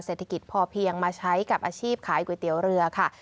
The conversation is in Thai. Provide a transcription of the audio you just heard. เศรษฐกิจพอเพียงมาใช้กับอาชีพขายก๋วยเตี๋ยวเรือค่ะ